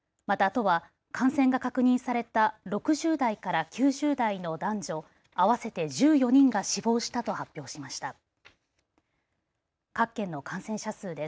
また都は感染が確認された６０代から９０代の男女合わせて１４人が死亡したと発表しました。